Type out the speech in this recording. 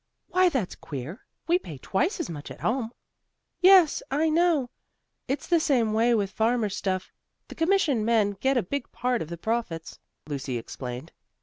"Why, that's queer. We pay twice as much at home." "Yes, I know. It's the same way with farmers' stuff. The commission men get a big part of the profits," Lucy explained.